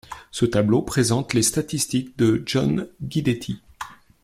Ce tableau présente les statistiques de John Guidetti.